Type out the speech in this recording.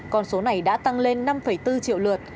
con số này đã tăng lên năm bốn triệu lượt